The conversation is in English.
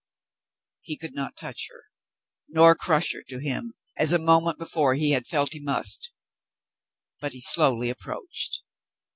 He could not touch her, nor crush her to him as a moment before he had felt he must, but he slowly approached.